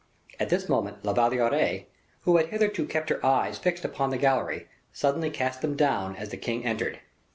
At this moment La Valliere, who had hitherto kept her eyes fixed upon the gallery, suddenly cast them down as the king entered.